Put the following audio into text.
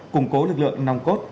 củng cố lực lượng nòng cốt